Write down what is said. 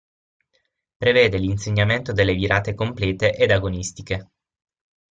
Prevede l'insegnamento delle virate complete ed agonistiche.